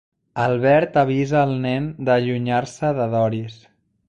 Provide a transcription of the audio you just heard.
Albert avisa el nen de allunyar-se de Doris.